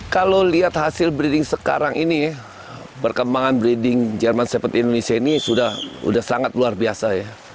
kalau lihat hasil breeding sekarang ini perkembangan breeding german shepherd indonesia ini sudah sangat luar biasa